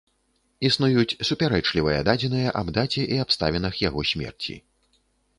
Існуюць супярэчлівыя дадзеныя аб даце і абставінах яго смерці.